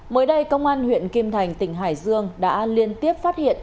mới đây công an huyện kim thành tỉnh hải dương đã liên tiếp phát hiện